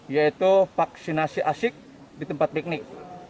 yaitu vaksinasi asyik di tempat piknik